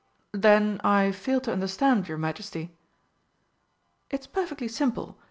"Then I fail to understand your Majesty." "It's perfectly simple.